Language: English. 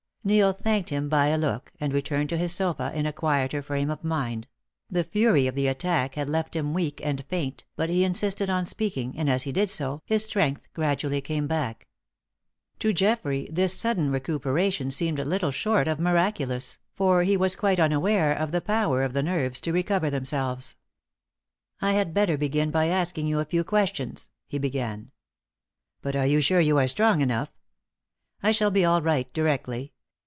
Neil thanked him by a look, and returned to his sofa in a quieter frame of mind; the fury of the attack had left him weak and faint, but he insisted on speaking, and as he did so, his strength gradually came back. To Geoffrey this sudden recuperation seemed little short of miraculous, for he was quite unaware of the power of the nerves to recover themselves. "I had better begin by asking you a few questions," he began. "But are you sure you are strong enough?" "I shall be all right directly.